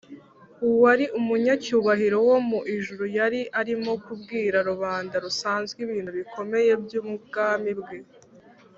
uwari umunyacyubahiro wo mu ijuru yari arimo kubwira rubanda rusanzwe ibintu bikomeye by’ubwami bwe